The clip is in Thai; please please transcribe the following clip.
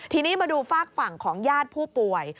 ทีนี้มาดูฝากฝั่งของญาติผู้ป่วย